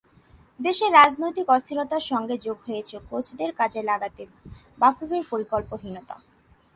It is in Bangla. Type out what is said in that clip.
দেশের রাজনৈতিক অস্থিরতার সঙ্গে যোগ হয়েছে কোচদের কাজে লাগাতে বাফুফের পরিকল্পনাহীনতা।